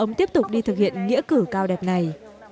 ông tiếp tục đi thực hiện nghĩa cử cao đẹp này